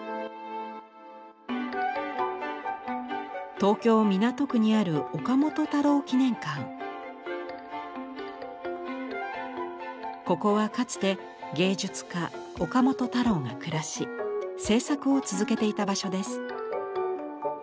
東京・港区にあるここはかつて芸術家岡本太郎が暮らし制作を続けていた場所です。